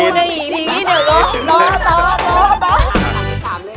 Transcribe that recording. แม่ก่อนตอนสักที